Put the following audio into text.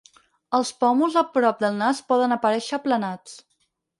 Els pòmuls a prop del nas poden aparèixer aplanats.